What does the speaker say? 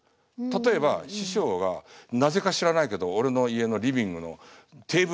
例えば師匠はなぜか知らないけど俺の家のリビングのテーブルに座ってしゃがんでる。